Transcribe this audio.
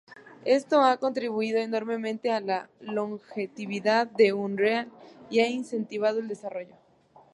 Esto ha contribuido enormemente a la longevidad de Unreal y ha incentivado el desarrollo.